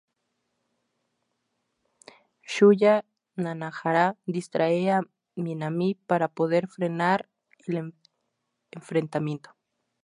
Shuya Nanahara distrae a Minami para poder frenar el enfrentamiento.